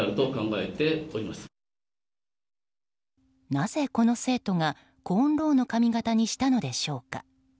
なぜこの生徒がコーンロウの髪形にしたのでしょうか。